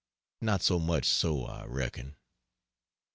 Not so much so, I reckon.